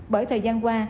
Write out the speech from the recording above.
bởi thời gian qua